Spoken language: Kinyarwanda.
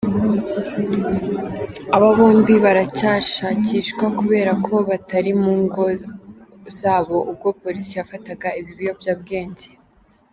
Aba bombi baracyashakishwa kubera ko batari mu ngo zabo ubwo Polisi yafataga ibi biyobyabwenge.